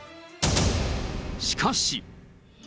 しかし。